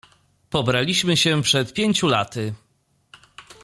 "Pobraliśmy się przed pięciu laty."